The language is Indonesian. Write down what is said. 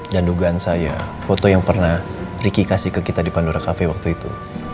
dan dugaan saya foto yang pernah ricky kasih ke kita di pandora cafe waktu itu